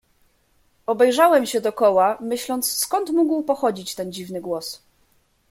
"Obejrzałem się dokoła, myśląc, skąd mógł pochodzić ten dziwny głos."